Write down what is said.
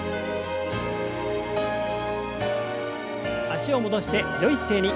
脚を戻してよい姿勢に。